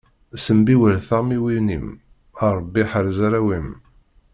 Sembiwel taɣmiwin-im, a Ṛebbi ḥerz arraw-im.